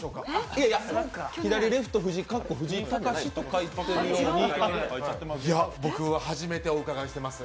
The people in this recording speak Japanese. いやいや、左、レフト藤井と書いてあるようにいや、僕は初めてお伺いしてます。